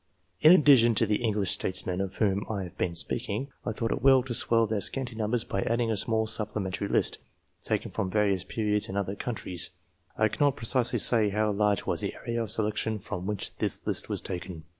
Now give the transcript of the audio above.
In addition to the English statesmen of whom I have been speaking, I thought it well to swell their scanty numbers by adding a small supplementary list, taken from various periods and other countries. I cannot precisely say how large was the area of selection from which this list was taken.